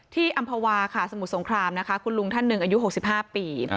อำภาวาค่ะสมุทรสงครามนะคะคุณลุงท่านหนึ่งอายุ๖๕ปี